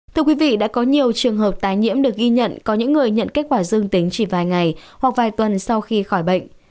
thưa quý vị đã có nhiều trường hợp tái nhiễm được ghi nhận có những người nhận kết quả dương tính chỉ vài ngày hoặc vài tuần sau khi khỏi bệnh